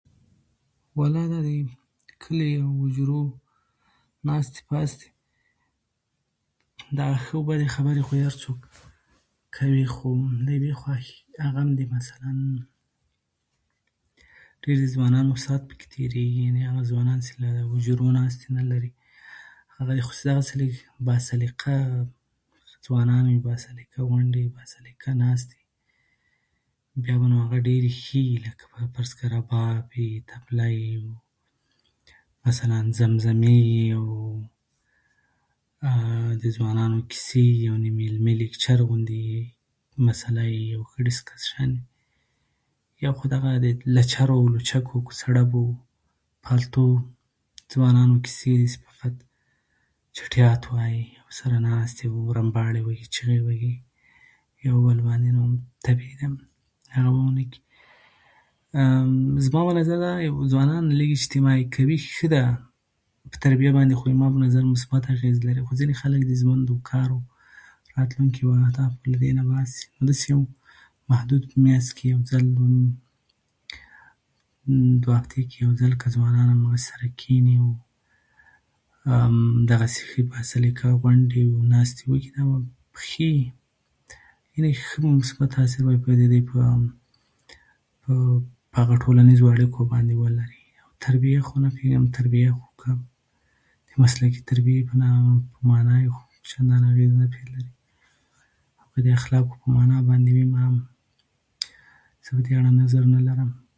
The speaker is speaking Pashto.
و الله دا د کلي او د حجرو ناستې پاستې دا ښه او بدې خبرې خو هر څوک کوي خو د یوې خوښې هغه هم مثلآ ډېرو ځوانانو ساعت پکې تېرېږي هغه ځوانان چې د حجرو ناستې نه لري هغه خو داسې لږ باسلیقه ځوانان وي باسلیقه غونډې وي با سلیقه ځوانان وي با سلیقه ناستې وي هغه به ډيرې ښې وي فرض کړه رباب وي او تبله وي او زمزمې وي او د حوانانو کیسې وي او علمي لکچر غوندې وي او مثله یې او شه دېر شیان وي یو خو دغه د لچرو کوڅه ډب او پلتو ځوانانو کیسې دي چې فقط چټیات او هسې رمباړې وهي او چیغې وهي یو بل باندې طبیعي دغه ونکړي زما والله دغه دی چې ږ ځوانان لږ اجتماعي کوي ښه ده تربیه باندې یې مثبته اعېزه لري زما په نظر دوی له راتلونکي ژوند کار او روزگار نه باسي محدود میاشت کې یو ځل یا دوه هفتو کې حوانان هغه سره کیني نو دغسې که غوندې او ناستې وکړي دا به ښې وي هیله ده چې مثبت تاثیر به د دوی پر ټولنیزو اړیکو باندې ولري او تربیه خو نه پوهېږم که مسلکي تربیې د مثبت اغیز په معنا وي خو چندان اغېز ورباندې نه لري که د اخلاقو په معنا باندې وي نو زه په دې اړه نظر نه لرم.